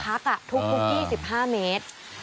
จุดพักทุกครุ่มที่๒๕เมตร